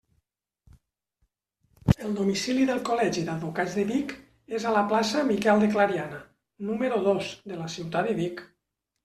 El domicili del Col·legi d'Advocats de Vic és a la plaça Miquel de Clariana, número dos, de la ciutat de Vic.